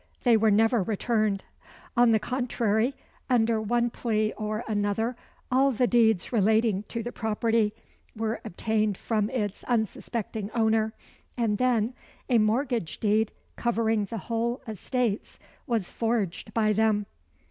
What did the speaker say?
They were never returned. On the contrary, under one plea or another, all the deeds relating to the property were obtained from its unsuspecting owner; and then a mortgage deed covering the whole estates was forged by them."